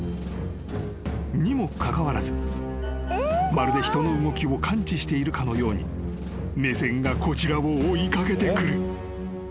［にもかかわらずまるで人の動きを感知しているかのように目線がこちらを追い掛けてくる］